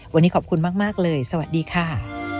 วันนี้ขอบคุณมากเลยสวัสดีค่ะ